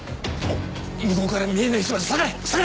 向こうから見えない位置まで下がれ！